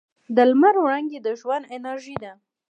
د لمر وړانګې د ژوند انرژي ده.